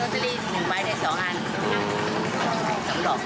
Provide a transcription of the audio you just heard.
ผลิตทุกวันไหมครับ